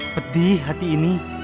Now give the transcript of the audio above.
pedih hati ini